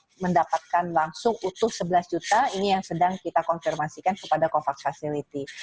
untuk mendapatkan langsung utuh sebelas juta ini yang sedang kita konfirmasikan kepada covax facility